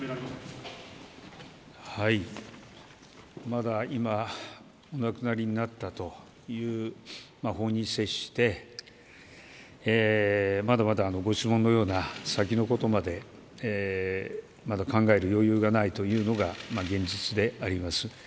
まだ、今お亡くなりになったという報に接してまだまだそのような先のことまで考える余裕がないというのが現実であります。